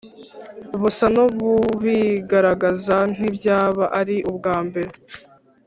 busa n’ububigaragaza, ntibyaba ari ubwa mbere.